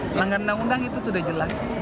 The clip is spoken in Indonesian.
melanggar undang undang itu sudah jelas